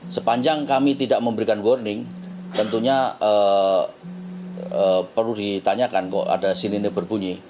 sepanjang kami tidak memberikan warning tentunya perlu ditanyakan kok ada sini berbunyi